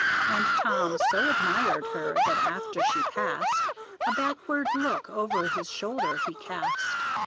And Tom so admired her that after she passed, A backward look over his shoulder he cast.